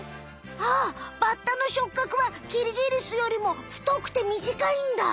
あっバッタの触角はキリギリスよりもふとくてみじかいんだ。